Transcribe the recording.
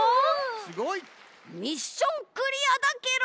すごい！ミッションクリアだケロ！